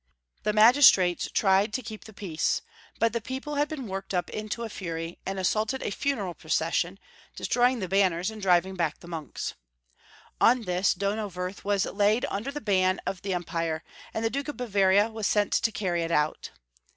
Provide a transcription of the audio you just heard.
The magistrates tried to keep the peace, but the people had been worked 318 Young Folks'^ History of Germany. up into a fury, and assaulted a funeral procession, destroying the banners and diiving back the monks. On this Donauwerth was laid under the ban of the Empire, and the Duke of Bavaria was sent to carry it out.